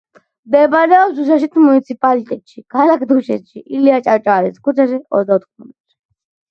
მდებარეობს დუშეთის მუნიციპალიტეტში, ქალაქ დუშეთში, ილია ჭავჭავაძის ქუჩაზე, ოცდაოთხ ნომერში.